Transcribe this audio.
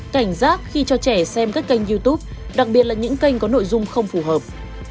cảnh giác khi cho trẻ xem các kênh youtube đặc biệt là những kênh có nội dung không phù hợp